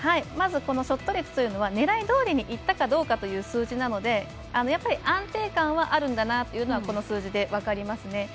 まずこのショット率というのは狙いどおりにいったかどうかという数字なので安定感はあるんだなというのはこの数字で分かりますね。